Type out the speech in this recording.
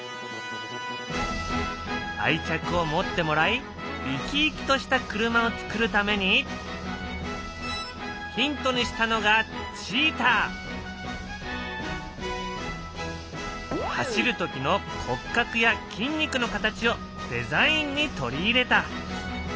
愛着を持ってもらい生き生きとした車をつくるためにヒントにしたのが走る時の骨格や筋肉の形をデザインに取り入れた。